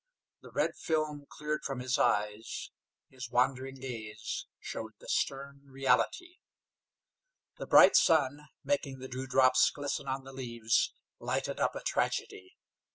The red film cleared from his eyes. His wandering gaze showed the stern reality. The bright sun, making the dewdrops glisten on the leaves, lighted up a tragedy.